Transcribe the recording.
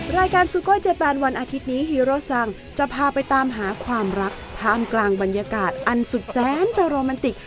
รายการสุโกยเจปันวันอาทิตย์นี้ฮีโร่ส่างจะพาไปตามหาความรักพร้อมกลางบรรยากาศอันสุดแสนจะโรมันติก